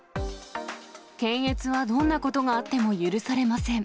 検閲はどんなことがあっても許されません。